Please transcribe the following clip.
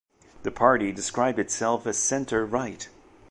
The party described itself as "centre-right".